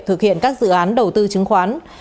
thực hiện các dự án đầu tư chứng khoán